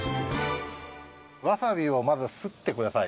わさびをまずすってください。